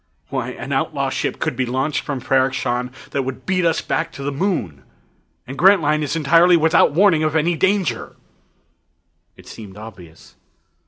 Why, an outlaw ship could be launched from Ferrok Shahn that would beat us back to the Moon and Grantline is entirely without warning of any danger!" It seemed obvious.